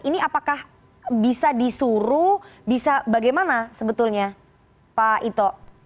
ini apakah bisa disuruh bisa bagaimana sebetulnya pak ito